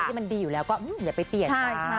ที่มันดีอยู่แล้วก็อย่าไปเปลี่ยน